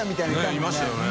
佑いましたよね。